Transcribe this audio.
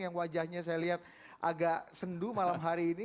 yang wajahnya saya lihat agak sendu malam hari ini